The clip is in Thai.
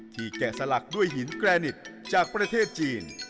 แกะสลักด้วยหินแกรนิกจากประเทศจีน